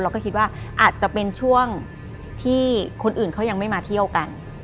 คิดว่าอาจจะเป็นช่วงที่คนอื่นเขายังไม่มาเที่ยวกัน